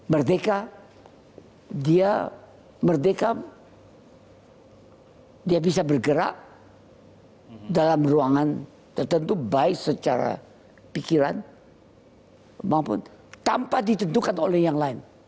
merdeka dia merdeka dia bisa bergerak dalam ruangan tertentu baik secara pikiran maupun tanpa ditentukan oleh yang lain